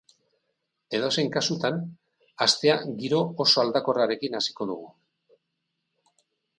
Edozein kasutan, astea giro oso aldakorrarekin hasiko dugu.